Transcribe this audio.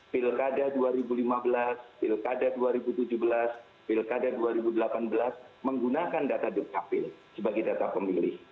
pileg kada dua ribu lima belas pileg kada dua ribu tujuh belas pileg kada dua ribu delapan belas menggunakan data dukcapil sebagai data pemilih